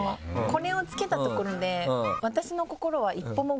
これをつけたところで。